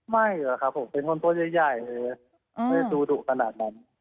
ไม่เหรอครับผมเป็นคนตัวใหญ่เลยไม่ได้ดูดุขนาดนั้น